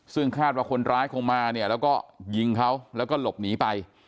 ซึ่งคาดว่าคนร้ายคงมาเนี่ยแล้วก็ยิงเขาแล้วก็หลบหนีไป